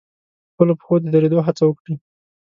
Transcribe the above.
په خپلو پښو د درېدو هڅه وکړي.